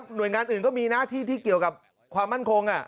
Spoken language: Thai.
หน่วยงานอื่นก็มีหน้าที่ที่เกี่ยวกับความมั่นคง